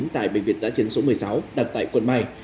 tại bệnh viện giã chiến số một mươi sáu đặt tại quận hai